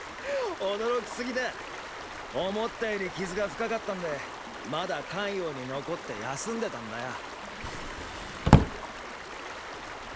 思ったより傷が深かったんでまだ咸陽に残って休んでたんだよ。